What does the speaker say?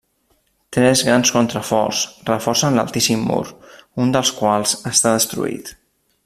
Tres grans contraforts reforcen l'altíssim mur, un dels quals està destruït.